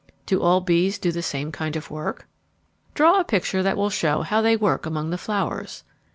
Do all bees do the same kind of work?_ _Draw a picture that will show how they work among the flowers.